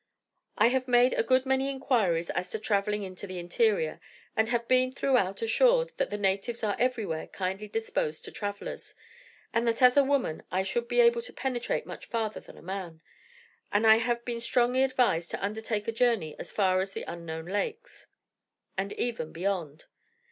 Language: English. I have made a good many inquiries as to travelling into the interior; and have been, throughout, assured that the natives are everywhere kindly disposed to travellers, and that as a woman I should be able to penetrate much farther than a man, and I have been strongly advised to undertake a journey as far as the unknown lakes, and even beyond.